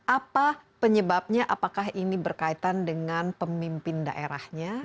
apa penyebabnya apakah ini berkaitan dengan pemimpin daerahnya